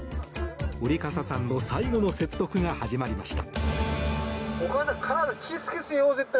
折笠さんの最後の説得が始まりました。